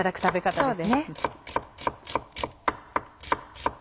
そうです。